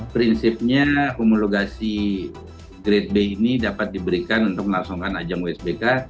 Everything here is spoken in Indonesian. prinsipnya homologasi grade b ini dapat diberikan untuk melangsungkan ajang wsbk